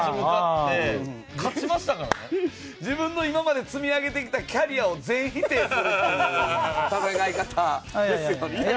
自分の今まで積み上げてきたキャリアを全否定するっていう戦い方ですよね。